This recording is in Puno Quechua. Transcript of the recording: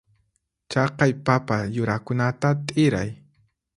Chaqay papa yurakunata t'iray.